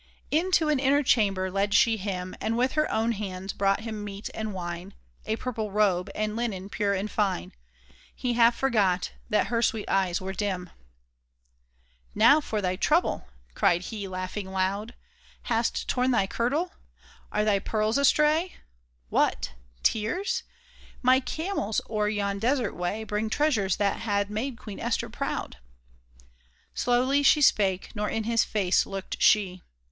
Into an inner chamber led she him, And with her own hands brought him meat and wine, A purple robe, and linen pure and fine. He half forgot that her sweet eyes were dim !" Now for thy trouble !" cried he, laughing loud. " Hast torn thy kirtle ? Are thy pearls astray ? What ! Tears ? My camels o'er yon desert way Bring treasures that had made Queen Esther proud !" Slowly she spake, nor in his face looked she.